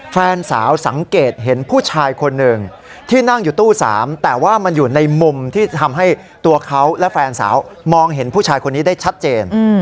แฟนสาวสังเกตเห็นผู้ชายคนหนึ่งที่นั่งอยู่ตู้๓แต่ว่ามันอยู่ในมุมที่ทำให้ตัวเขาและแฟนสาวมองเห็นผู้ชายคนนี้ได้ชัดเจน